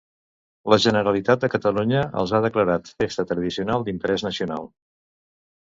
La Generalitat de Catalunya els ha declarat Festa Tradicional d'Interès Nacional.